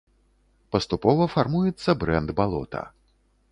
Паступова фармуецца брэнд балота.